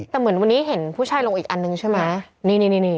แต่เหมือนวันนี้เห็นผู้ชายลงอีกอันนึงใช่ไหม